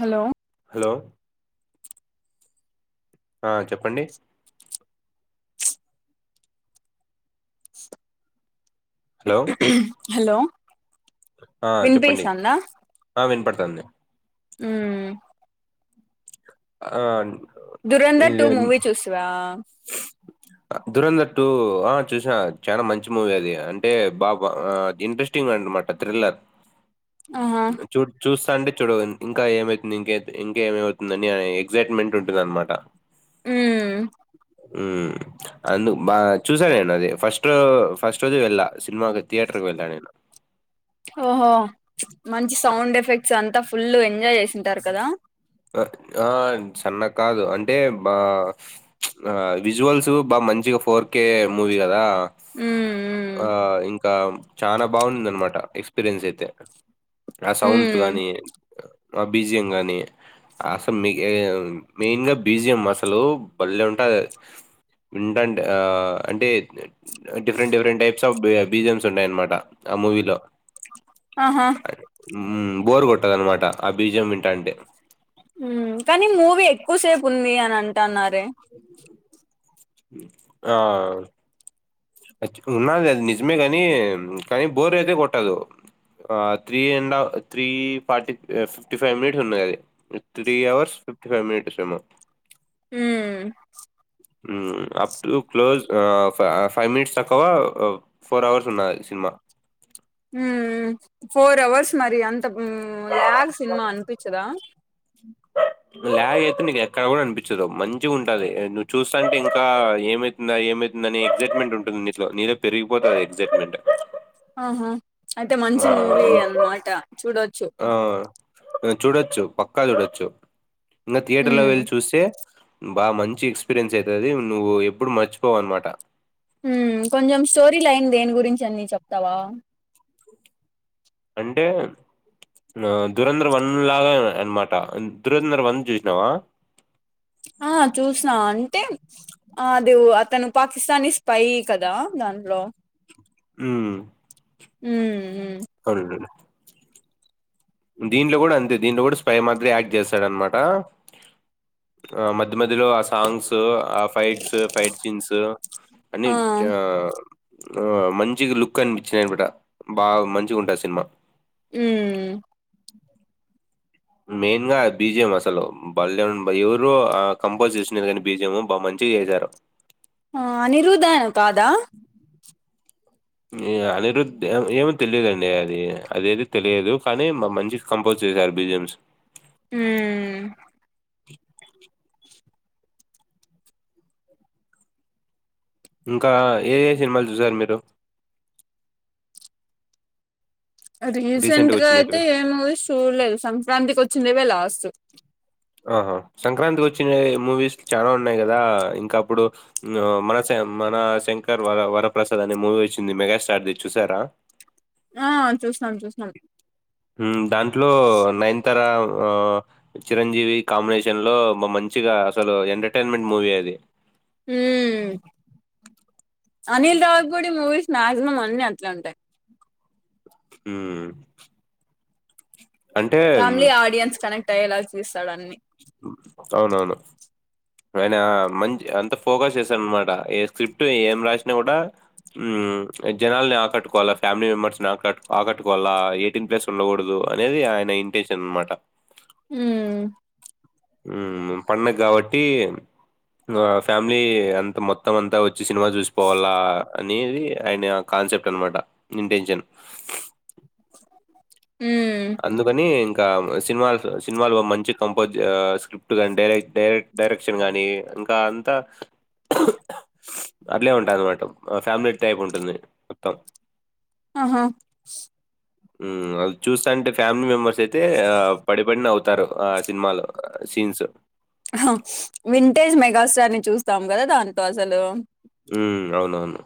Hello hello ఆ చెప్పండి hello hello ఆ చెప్పండి వినిపిస్తాందా ఆ వినపడుతంది హ్మ్ ఆ దురంధర్ టూ ఇది మూవీ చూసివా దురంధర్ టు ఆ చూసా చాలా మంచి మూవీ అది అంటే బా ఆ ఇంట్రెస్టింగ్ [unintelligible] మాట త్రిల్లర్ ఆహా చూ చూస్తాంటే చూడ ఇంకా ఏమైతుంది ఇంక ఇంకా ఏమవుతుందని ఎగ్జైట్మెంట్ ఉంటుంది అన్నమాట హ్మ్ హ్మ్ అందు బా చూసాను నేను అది ఫస్ట్ ఫస్ట్ రోజే వెళ్ళ సినిమా థియేటర్ వెళ్ళా నేను [unintelligible] ఓహో మంచి సౌండ్ ఎఫెక్ట్స్ అంతా ఫుల్ ఎంజాయ్ చేసింటారు కదా ఆ సన్న కాదు అంటే బ విజువల్సు బాగా మంచి ఫోర్ కే మూవి కదా మ్మ్ ఆ మ్మ్ ఇంకా చాల బాగుందన్నమాట ఎక్స్పీరియన్స్ అయితే ఆ సౌండ్స్ మ్మ్ గానీ ఆ బీజియం గానీ అసలు మీ మెయిన్ గా బీజియం అసలు భలే ఉంట ద వింటంటే ఆ అంటే different different types of BGMs ఉంటాయన్నమాట ఆమూవీలో ఆహా హ్మ్ బోర్ కొట్టదన్నమాట ఆ బీజియం వింటాంటే కానీ మూవీ ఎక్కువసేపు ఉంది అని అంటన్నారే ఆ ఉన్నాది అది నిజమే కాని కానీ బోర్ అయితే కొట్టదు three and three forty fifty five minutes ఉంది అది three hours fifty five minutes సినిమా హ్మ్ హ్మ్ అప్ టు క్లోజ్ ఆ ఫ్ ఫైవ్ మినిట్స్ తక్కువ ఫోర్ అవర్స్ ఉన్నాది సినిమా హ్మ్ ఫోర్ అవర్స్ మరి అంత లాగ్ సినిమా అనిపించదా [unintelligible] లాగ్ అయితే నీకు ఎక్కడ కూడా అనిపించదు మంచిగా ఉంటది నువ్వు చూస్తా అంటే ఇంకా ఏమైతుంద ఏమై తుందనీ ఎగ్సైట్మెంట్ ఉంటుంది నీతో నీలో పెరిగిపోతాది ఎగ్సైట్మెంట్ ఆహ అయితే మంచి మూవీ అన్నమాట చూడొచ్చు ఆ చూడొచ్చు పక్కా చూడొచ్చు ఇంకా థియేటర్ లో మ్మ్ వెళ్ళి చూస్తే బాగా మంచి ఎక్స్పీరియన్స్ అయితాది నువ్వు ఎప్పుడు మర్చిపోవు అన్నమాట కొంచెం స్టోరీ లైన్ దేని గురించి అన్నీ చెప్తావా అంటే దురంధర్ వన్ లాగా అన్నమాట దురంధర్ వన్ చూసినావా ఆ చూసిన అన్ తే అది అతను పాకిస్తానీ స్పై కదా దాంట్లో హ్మ్ హ్మ్ అవునండీ దీంట్లో కూడా అంతే దీంట్లో కూడా స్పై మాదిరి యాక్ట్ చేస్తాడన్నమాట ఆ మధ్య మధ్యలో ఆ సాంగ్స్ ఆ ఫైట్స్ ఫైట్ సీన్స్ అన్ని ఆ ఆ మంచిగ లుక్ అనిపించిన్నమాట బాగా మంచిగా ఉంటది సినిమా ఊమ్ మెయిన్ గా బీజియమ్ అసలు బలే ఎవరో కంపోజ్ చేసినది కానీ బీజియమ్ మంచి చేశారు ఆ అనిరుద్ధన్ కాదా అనిరుద్ ఏమో తెలియదండి అది అది అయితే తెలియదు కానీ మ మంచి కంపోజ్ [inaudible] బిజయమ్స్ హూమ్ [inaudible] ఇంకా ఏ ఏ సినిమాలు చూసారు మీరు రీసెంట్ రీసెంట్గా గా అయితే వచ్చినట్టువి ఏమ చూడలేదు సంక్రాంతికి వచ్చిందిేవే లాస్ట్ ఆహా సంక్రాంతి వచ్చిన మూవీస్ చాలా ఉన్నాయి కదా ఇంకా అప్పుడు మనస మన శంకర్ వర వరప్రసాద్ అనే మూవీ వచ్చింది మెగాస్టార్ది చూసారా ఆ చూసినాం చూసినాం దాంట్లో నయనతార ఆ చిరంజీవి కాంబినేషన్ లో మంచిగా అసలు ఎంటర్టైన్మెంట్ మూవీ అది హ Anil Ravipudi movies maximum అన్ని అట్లా ఉంటాయి హ ఫ్యామిలీ ఆడియన్స్ కనెక్ట్ అయ్యేలాగా చూస్తాడు అన్ని అవునవును ఆనా మంచి అంత ఫోకస్ చేసాను అనమాట ఏ స్క్రిప్ట్ ఏం రాసినా కూడా జనల్ని ఆకట్టుకోవాలా ఫ్యామిలీ మెంబర్స్ ని ఆకట్ ఆకట్టుకోవాలా ఎయిటీన్ ప్లేస్ ఉండకూడదు అనేది ఆయన ఇంటెషన్ అనమాట హ పడుది కాబట్టి ఫ్యామిలీ అంతా మొత్తం అంతా వచ్చి వచ్చి సినిమా చూసిపోవాలా అనేది ఆయన ఆ కాన్సెప్ట్ అనమాట ఇంటెన్షన్ హ్మ్ అందుకని ఇంకా ఇ సినిమా సినిమాలు మంచి కంపోజ్ స్క్రిప్ట్ గానీ డైర డైరెక్ట్ డైరెక్షన్ గాని ఇంకా అంతా అట్లే ఉంటాయి అన్నమాట ఫ్యామిలీ టైప్ ఉంటుంది మొత్తం ఆహా అ చూస్తా అంటే ఫ్యామిలీ మెంబెర్స్ అయితే ఆ పడిబడిన అవుతు తారు ఆ సినిమాలో సీన్స్ వింటేజ్ మెగాస్టార్ ని చూస్తాం కదా దాంతో అసలు ఉ అవునవును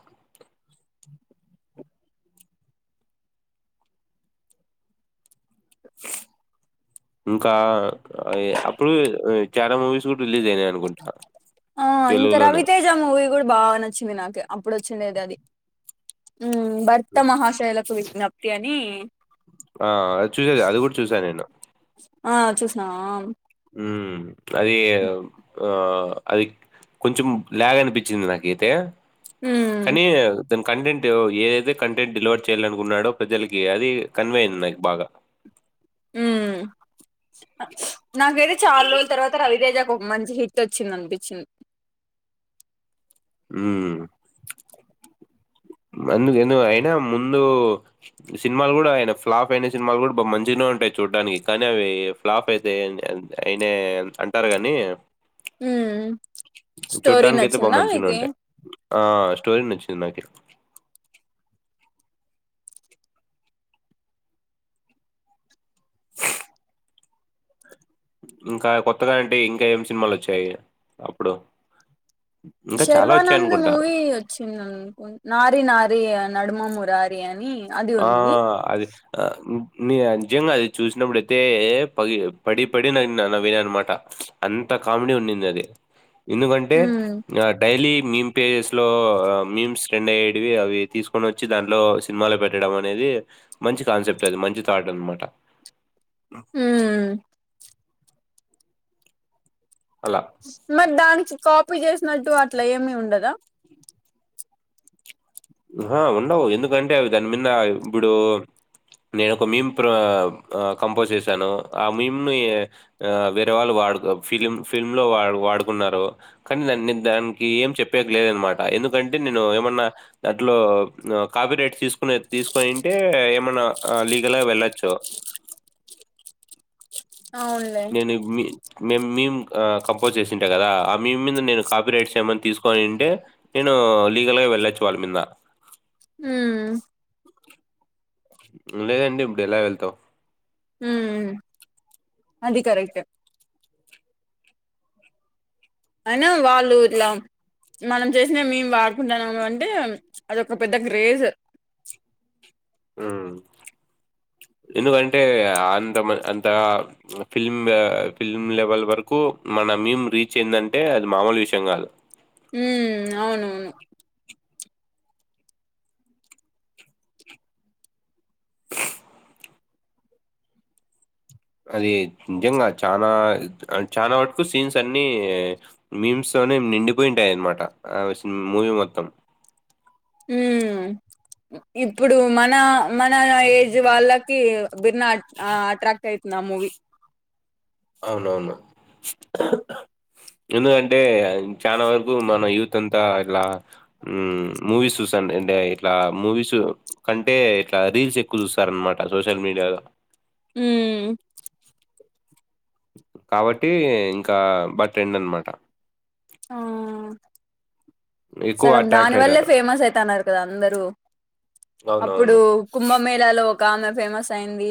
ఇంకా అప్పుడు చాలా మూవీస్ కూడా రిలీజ్ అయినాయయి అనుకుంటా ఆ ఇంకా రవితేజ మూవీ కూడా బాగా నచ్చింది నాకు అప్పుడు వచ్చిండది అది ఉ భర్త మహాశైలకు విజ్ఞప్తి అని ఆ అ చూసేది అది కూడా చూసాను నేను చూసినా? ఆ ఉ అది ఆ అది కొంచెం లాగ అనిపించింది నాకైతే హ్మ్. కానీ దానికి కంటెంట్ ఏదైతే కంటెంట్ డివడ్ చేయాలనుకున్నాడో ప్రజలకి అది కన్వే అయింది నాకు బాగా హ నాకైతే చాలా రోజుల తర్వాత రవితేజకు ఒక మంచి హిట్ వచ్చింది అనిపించింది హ అందుకు ఎందుకు అయినా ముందు సినిమాలు కూడా ఆయిన ఫ్లాప్ అయిన సినిమాలు కూడా బా మంచిగనే అంటాయి చూడ్డానికి కానీ అవి ఫ్లాప్ అయితే అయినే అంటారు కాని హ్మ్. స్టోరీ చూడ్డానికి అయితే బా నచ్చిందా మంచిగానే మీకి? ఉండే ఆ స్టోరీ నుంచి తిన్నాకే ఇంకా కొత్తగా ఏంటి ఇంకా ఏం సినిమాలు వచ్చాయి అప్పుడు ఇంకా చాలా వచ్చాయి షర్వానంద్ అనుకుంటా మూవి వచ్చిందనుకోనీ నారి నారి నడుమ మురారి అని అది ఆ ఉంది. అదే ఆ మ్ నీ అజంగా అది చూసినప్పుడుయితే పగి పడి పడి నా నవీన నవ్విన అన్నమాట అంత కామెడీ ఉన్నింది అది ఎందుకంటే హ్మ్. డైలీ మీమ్ పేజెస్ లో మీమ్స్ ట్రెండ్ అయ్యే టివి తీసుకొని వచ్చి దాంట్లో సినిమాలో పె పెడం అనేది మంచి కాన్సెప్ట్ అది మంచి థాట్ అనమాట [inaudible] అలా. మరి దానికి కాఫీ చేసినట్టు అట్లా ఏమి ఉండదా ఆ ఉండవు ఎందుకంటే అవి దాని మీద ఇప్పుడు నేను ఒక మీమ్ ప్రో ఆ కంపోజ్ చేసాను ఆ మీమ్ ని ఆ వేరే వాళ్ళు అడుగు ఫిలిం ఫిల్మ్ లో వాడు వాడుకున్నారు కానీ దాన్ని దానికి ఏం చెప్పేది లేదన్నమాట ఎందు ఎందుకంటే నేను ఏమన్నా దాంట్లో కాపీ రైట్ తీసుకునే తీసుకోనుంటే ఏమన్నా లీగల్గా వెళ్ళొచ్చు [inaudible] అవునులే. నేను మీ మేం మీమ్ కంపోజ్ చేసింటా కదా ఆ మ మీమ్ మీద నేను కాపీ రైట్స్ ఏమన్నా తీసుకొని ఉంటే నేను లీగల్ గా వెళ్లొచ్చు వాళ్ల మీద హ లేదండి ఇప్పుడు ఎలా వెళ్తావు హ అది కరెక్ట్ అయినా వాళ్ళు ఇట్లా మనం చేసిన మేము వాడుకుంటున్నాం అంటే అదొ ఒక పెద్ద క్రేజ్ [inaudible] ఆ ఎందుకంటే అంత అంత ఫిలిమ్ ఫిల్మ్ లెవెల్ వరకు మనం రైమ్ రీచ్ ఏందంటే అది మామూలు విషయం కాదు హ అవునవును అది నిజంగా చనా చాలా వరకు సీన్స్ అన్ని మీమ్స్ నిండిపోయి ఉంటాయన్నమాట అవి సిం మూవీ మొత్తం [inaudible] ఇప్పుడు మన మన ఏజ్ వాళ్ళకి భిన్న ఆ అట్రాక్ట్ అయితుంది ఆ మూవి అవునవును ఎందుకంటే అది చానా వరకు మన యూత్ అంత ఇ ఇట్లా మూవీస్ చూసాం అంటే ఇట్లా మూవీస్ కంటే ఇట్లా రీల్స్ ఎక్కువ చూస్తారనమాట సోషల్ మీడియాల హ కాబట్టి ఇంకా బటెండ్ అన్నమాట ఆ ఎక్కువ సగం అట్రాక్ట్ దాని వల్లే అయితారు. ఫేమస్ అయితనరు కదా అందరూ అప్పుడు అవునవును. కుంభమేళలో ఒక ఆమె ఫేమస్ అయింది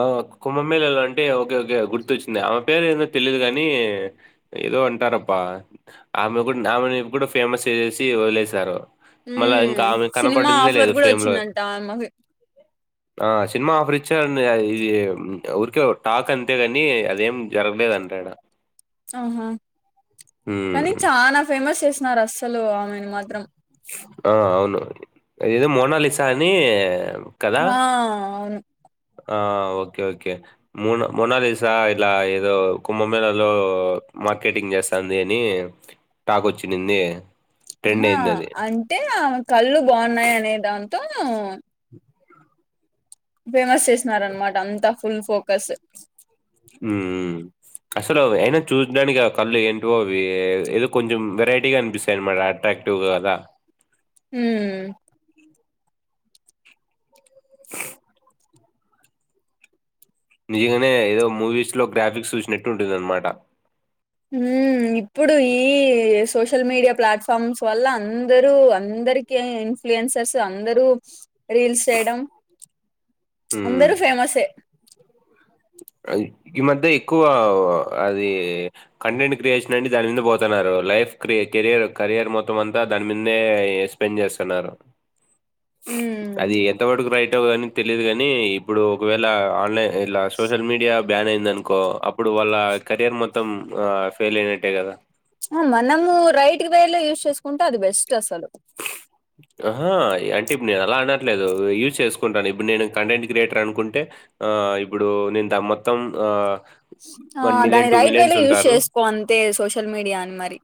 ఆ కుంభమేళలా అంటే ఓకే ఓకే గుర్తొచ్చింది ఆమె పేరు ఏదో తెలీదు కాని ఏదో అంటారబ్బా ఆమె గున్ ఆమెను ఎప్పుడు ఫేమస్ చేసి వదిలేసారు మల్ల ఇంకా ఉమ్ ఆమె సినిమా కనపడిందే ఆఫర్ లేదు కూడా ఫ్రేమ్ లో వచ్చిందంట ఆమెకి ఆ సినిమా ఆఫరి ఇది ఊరికే టాక్ అంతేగనీ అదేం జరగలేదంటాడ. ఆహా కని చానా ఫేమస్ చేసినారస్సలూ ఆమెను మాత్రం. ఆ అవును ఇది మోనాలిసా అనీ ఆ అవును. ఆ ఓకే ఓకే మోన మోనాలిసా ఇట్ల ఏదో కుంభమేలలో మ మార్కెటింగ్ జేస్తాన్ది అని టాక్ ఒచిండిందీ. ఆహా అంటే ఆమ కళ్ళు బావున్నాయనే దాంతో ఫేమస్ చేసినారనమాట అంతా ఫుల్ ఫోకస్. ఉ ఉ అస్సలు అయినా చూసడానికి ఆ కళ్ళు ఏంటోవి ఏ ఏదో కొంచెం వెరైటీగా అనిపిస్తాయనమాట అట్రాక్ట్ క్టు గాదా మ్మ్ [inaudible] నిజంగనే ఏదో మూవీస్ లో గ్రాఫిక్స్ చూసినట్టు ఉంటుందనమాట. మ్మ్ ఇప్పుడు ఈ సోషల్ మీడియా ప్లాట్ఫార్మ్స్ వల్ల అందరూ అంద రికీ ఇన్ఫ్లుయన్సర్స్ అందరూ రీల్స్ చేయడం. హ్మ్. అందరూ ఫేమస్సే. ఈ మధ్య ఎక్కువా అది కంటెంట్ క్రియేషన్ అండి దాని మీద పోతాన్ న్నారు లైఫ్ క్రే కెరియర్ కరియర్ మొత్తం అంతా దాని మీద్నే స్పెండ్ జేస్తున్నారు. హ్మ్ అది ఎంత మట్టుకు రైటో అని తెలిదు గనీ ఇప్పుడు ఒకవేళ ఆన్లైన్ సోషల్ మీడియా బ్యాన్ అయిందనుకో అప్పుడు వాళ్ళ కెరియర్ మొత్తం ఫెయిల్ అయినట్టే గద. మనమూ రైట్ వే లో యూస్ చేసుకుంటె అది బెస్ట్ అసలు. అహా అంటే ఇప్పుడు నేను అలా అనట్లేదు యూస్ చేసుకుంటాను ఇప్పుడు నేను కంటెంట్ క్రియేటర్ అనుకుంటే ఆ ఇప్పుడు నేన్ దాన్ మొత్తం ఆ ఆ దాన్ని రైట్ వే లో యూస్ చేసుకో అంతే సోషల్ మీడియా అని మరి.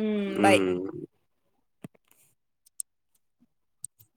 హ్మ్ ఊ బాయ్